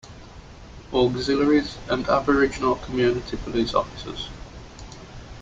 Auxiliaries and Aboriginal Community Police Officers.